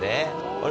あれ？